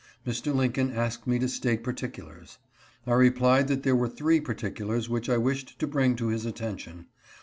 Mr. Lincoln asked me to state particulars. I replied that there were three particulars which I wished to bring to his attention.